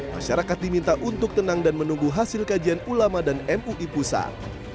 masyarakat diminta untuk tenang dan menunggu hasil kajian ulama dan mui pusat